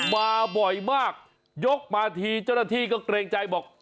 มาบ่อยมากยกมาทีเจ้าหน้าที่ก็เกรงใจบอก